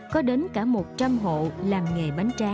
có đến cả một trăm linh hộ làm nghề